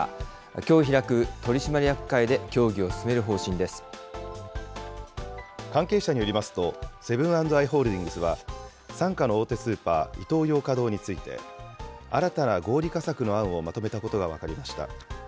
きょう開く取締役会で、協議を進関係者によりますと、セブン＆アイ・ホールディングスは、傘下の大手スーパー、イトーヨーカ堂について、新たな合理化策の案をまとめたことが分かりました。